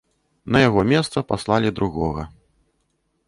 На яго месца паслалі другога.